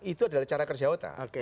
itu adalah cara kerja otak